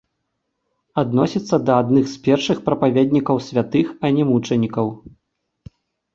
Адносіцца да адных з першых прапаведнікаў святых, а не мучанікаў.